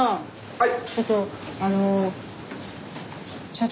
はい。